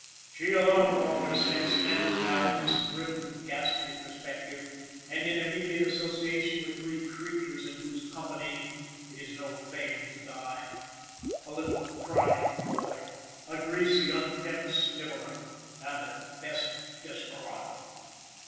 She alone of all her sex stands now in this thrilled and ghastly perspective, and in immediate association with three creatures in whose company it is no fame to die: a little crying boy, a greasy unkempt sniveller, and a confessed desperado.